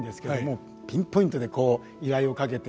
ピンポイントでこう依頼をかけて。